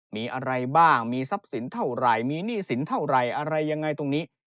มีอะไรบ้างมีทรัพย์สินเท่าไหร่มีหนี้สินเท่าไหร่อะไรยังไงตรงนี้